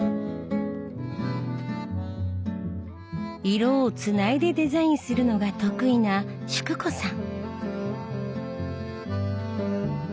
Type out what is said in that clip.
色をつないでデザインするのが得意な淑子さん。